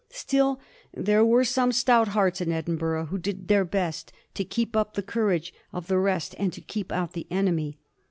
Still there were some stout hearts in Edinburgh who did their best to keep up the courage of the rest and to keep out the enemy.